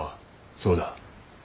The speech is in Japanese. そうだ。